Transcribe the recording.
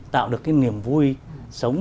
tạo được cái niềm vui sống